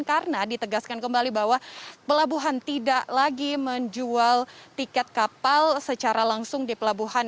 karena ditegaskan kembali bahwa pelabuhan tidak lagi menjual tiket kapal secara langsung di pelabuhan